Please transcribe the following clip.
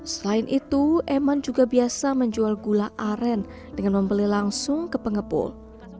selain itu eman juga biasa menjual gula aren dengan membeli langsung ke pengepul